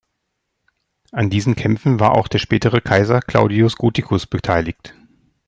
An diesen Kämpfen war auch der spätere Kaiser Claudius Gothicus beteiligt.